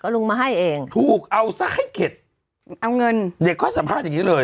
ลุงมาให้เองถูกเอาซะให้เข็ดเอาเงินเด็กเขาให้สัมภาษณ์อย่างงี้เลย